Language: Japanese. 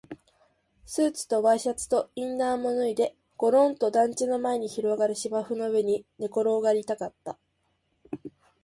スーツとワイシャツとインナーも脱いで、ごろんと団地の前に広がる芝生の上に寝転がりたかった